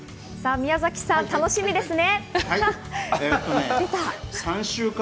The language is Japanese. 宮崎さん、楽しみですね。